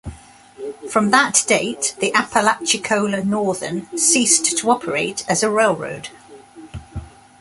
From that date the Apalachicola Northern ceased to operate as a railroad.